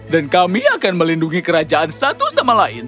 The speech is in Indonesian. dan kami akan melindungi kerajaan satu sama lain